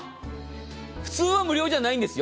普通は無料じゃないんですよ。